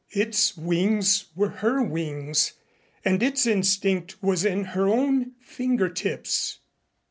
Its wings were her wings and its instinct was in her own fingertips.